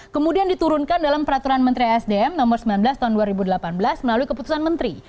kemudian diturunkan dalam peraturan menteri sdm nomor sembilan belas tahun dua ribu delapan belas melalui keputusan menteri